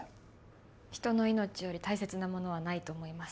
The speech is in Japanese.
人の命より大切なものはないと思います。